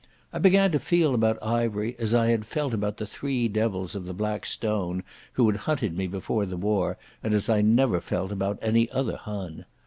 I began to feel about Ivery as I had felt about the three devils of the Black Stone who had hunted me before the war, and as I never felt about any other Hun.